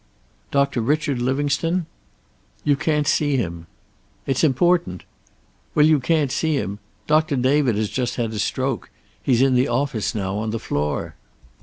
"Doctor Richard Livingstone?" "You can't see him." "It's important." "Well, you can't see him. Doctor David has just had a stroke. He's in the office now, on the floor."